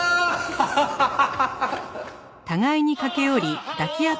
ハハハハ！